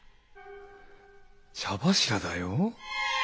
茶柱だよ。